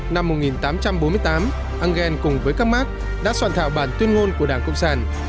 năm một nghìn tám trăm bốn mươi tám engel cùng với các mark đã soạn thảo bản tuyên ngôn của đảng cộng sản